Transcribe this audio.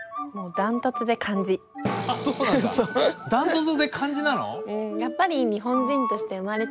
ダントツで漢字なの？